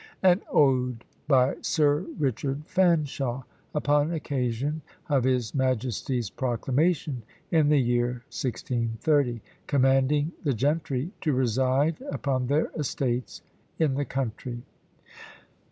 AN ODE, BY SIR RICHARD FANSHAW, _Upon Occasion of his Majesty's Proclamation in the Year 1630, commanding the Gentry to reside upon their Estates in the Country.